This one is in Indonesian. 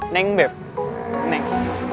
neng beb neng